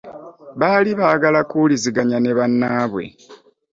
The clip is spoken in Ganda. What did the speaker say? Bali baagala kuwuliziganya ne banaabwe.